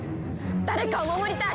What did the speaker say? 誰かを守りたい！